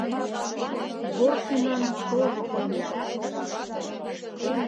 Горкинан тожо пырля?